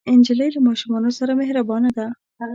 نجلۍ له ماشومانو سره مهربانه ده.